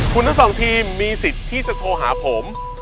คุณทั้งสองทีมมีสิทธิ์ที่จะโทรหาผม